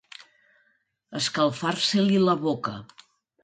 Escalfar-se-li la boca.